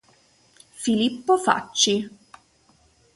Filippo Facci